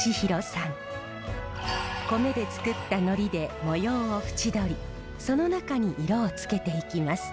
米でつくったのりで模様を縁取りその中に色をつけていきます。